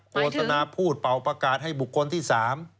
โฆษณาพูดเป่าประกาศให้บุคคลที่๓